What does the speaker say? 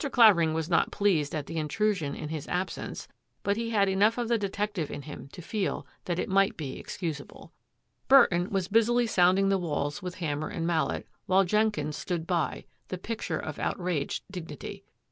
Clavering was not pleased at the intrusion in his absence, but he had enough of the detective in him to feel that it might be excusable. 92 THAT AFFAIR AT THE MANOR Burton was busily sounding the walls with ham mer and mallet, while Jenkins stood by, the picture of outraged dignity.